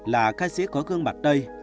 là ca sĩ có gương mặt tây